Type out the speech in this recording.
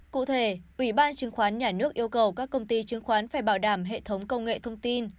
cụ thể ủy ban chứng khoán nhà nước yêu cầu các công ty chứng khoán phải bảo đảm hệ thống công nghệ thông tin